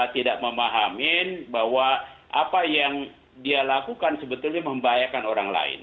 tidak memahami bahwa apa yang dia lakukan sebetulnya membahayakan orang lain